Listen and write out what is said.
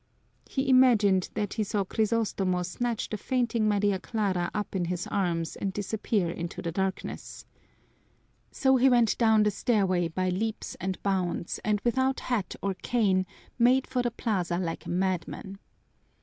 He imagined that he saw Crisostomo snatch the fainting Maria Clara up in his arms and disappear into the darkness. So he went down the stairway by leaps and bounds, and without hat or cane made for the plaza like a madman.